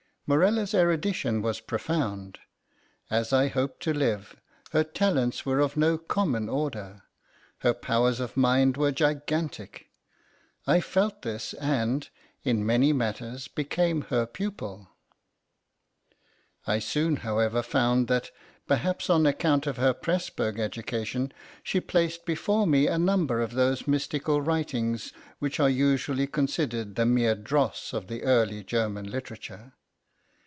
Morella's erudition was profound. As I hope to live, her talents were of no common order—her powers of mind were gigantic. I felt this, and, in many matters, became her pupil. I soon, however, found that, perhaps on account of her Presburg education, she placed before me a number of those mystical writings which are usually considered the mere dross of the early German literature.